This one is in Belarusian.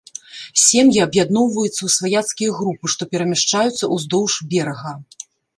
Сем'і аб'ядноўваюцца ў сваяцкія групы, што перамяшчаюцца ўздоўж берага.